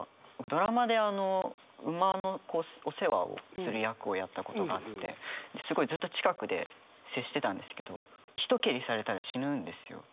ドラマで馬のお世話をする役をやったことがあってすごいずっと近くで接してたんですけど一蹴りされたら死ぬんですよ。